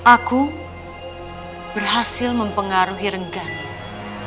aku berhasil mempengaruhi rengganis